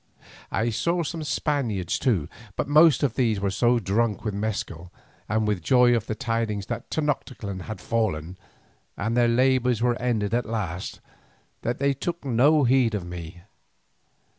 I saw some Spaniards also, but the most of these were so drunk with mescal, and with joy at the tidings that Tenoctitlan had fallen, and their labours were ended at last, that they took no heed of me.